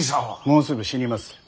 もうすぐ死にます。